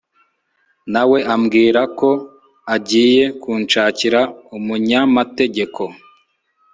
nawe ambwirako agiye kunshakira umunyamategeko